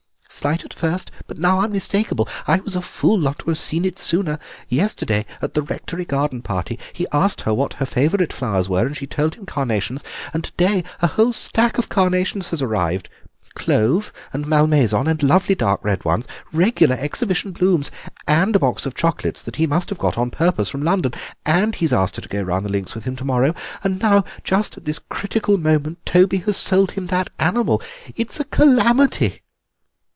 Slight at first, but now unmistakable. I was a fool not to have seen it sooner. Yesterday, at the Rectory garden party, he asked her what her favourite flowers were, and she told him carnations, and to day a whole stack of carnations has arrived, clove and malmaison and lovely dark red ones, regular exhibition blooms, and a box of chocolates that he must have got on purpose from London. And he's asked her to go round the links with him to morrow. And now, just at this critical moment, Toby has sold him that animal. It's a calamity!"